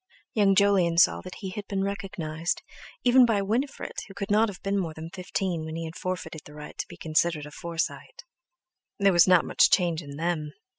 Young Jolyon saw that he had been recognised, even by Winifred, who could not have been more than fifteen when he had forfeited the right to be considered a Forsyte. There was not much change in _them!